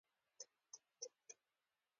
غول د کم رطوبت فریاد کوي.